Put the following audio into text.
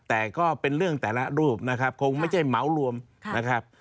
แต่ก็เป็นเรื่องแต่ละรูปนะครับคงไม่ใช่เหมารวมนะครับ